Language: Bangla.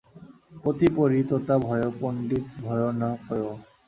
পোথি পঢ়ি তোতা ভয়ো পণ্ডিত ভয়ো ন কোয়।